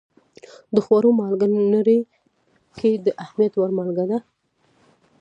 د خوړو مالګه نړۍ کې د اهمیت وړ مالګه ده.